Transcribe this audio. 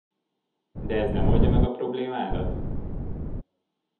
De ez nem oldja meg a problémádat?